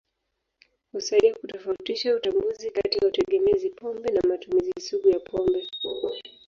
Husaidia kutofautisha utambuzi kati ya utegemezi pombe na matumizi sugu ya pombe.